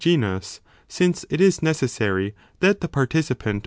1, genus, since it is necessary that the participant <; seq.